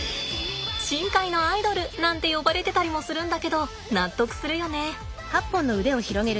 深海のアイドルなんて呼ばれてたりもするんだけど納得するよね。